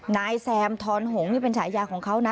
นายแซมทอนหงนี่เป็นฉายาของเขานะ